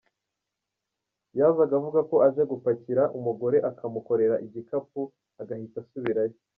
Yazaga avuga ko aje gupakira, umugore akamukorera igikapu agahita asubirayo.